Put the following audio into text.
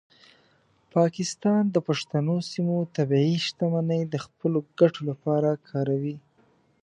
پاکستان د پښتنو سیمو طبیعي شتمنۍ د خپلو ګټو لپاره کاروي.